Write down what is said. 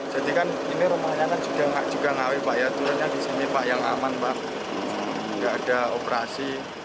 jadi kan ini rumahnya kan juga ngawi pak ya tuannya di sini pak yang aman pak nggak ada operasi